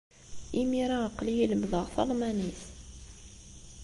Imir-a, aql-iyi lemmdeɣ talmanit.